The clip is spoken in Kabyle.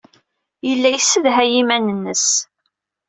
Yella yessedhay iman-nnes.